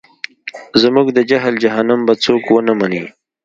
زموږ د جهل جهنم به څوک ونه مني.